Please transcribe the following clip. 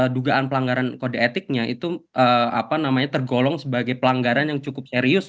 dugaan pelanggaran kode etiknya itu tergolong sebagai pelanggaran yang cukup serius